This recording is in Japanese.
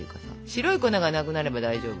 白い粉がなくなれば大丈夫。